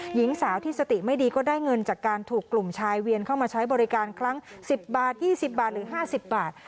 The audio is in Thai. หญิงสาวที่สติไม่ดีก็ได้เงินจากการถูกกลุ่มชายเวียนเข้ามาใช้บริการครั้ง๑๐บาท๒๐บาทหรือ๕๐บาท